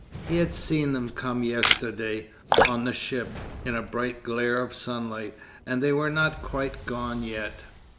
He had seen them come yesterday, on the ship, in a bright glare of sunlight, and they were not quite gone yet.